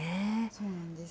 そうなんです。